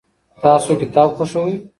تاسو کتاب خوښوئ؟